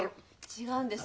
違うんです。